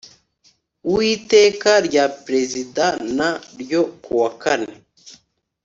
w iteka rya perezida n ryo ku wa kane